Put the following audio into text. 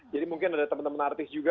jadi mungkin ada temen temen artis juga